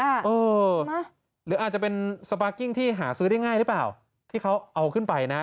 เออหรืออาจจะเป็นสปาร์กิ้งที่หาซื้อได้ง่ายหรือเปล่าที่เขาเอาขึ้นไปนะ